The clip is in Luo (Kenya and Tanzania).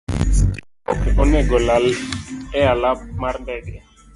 Sitima ok onego olal e alap mar ndege.